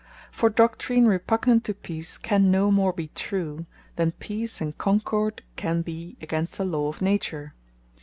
For Doctrine Repugnant to Peace, can no more be True, than Peace and Concord can be against the Law of Nature.